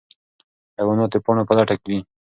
حیوانات د پاڼو په لټه کې دي.